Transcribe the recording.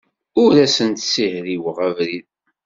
Ur asen-ssihriweɣ abrid.